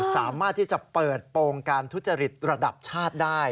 สามารถที่จะเปิดโปรงการทุจริตระดับชาติได้